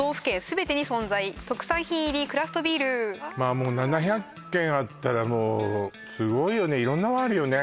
まあもう７００軒あったらもうすごいよね色んなのあるよね